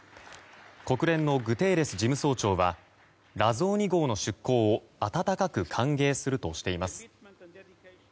国連のグテーレス事務総長は「ラゾーニ号」の出港を温かく歓迎するとしています。